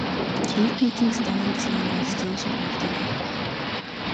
Cave paintings done in sienna still survive today.